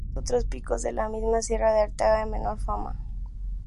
Algunos otros picos en la misma sierra de Arteaga de menor fama.